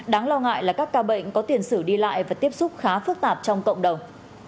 đáng lo ngại là các ca bệnh có tiền sử đi lại và tiếp xúc khá phức tạp trong cộng đồng